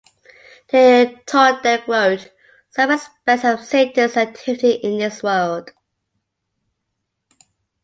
De Tonquedec wrote "Some Aspects of Satan's Activity in this World".